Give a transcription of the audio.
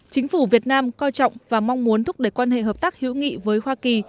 chính phủ việt nam coi trọng và mong muốn thúc đẩy quan hệ hợp tác hữu nghị với hoa kỳ